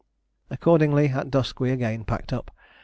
Accordingly at dusk we again packed up.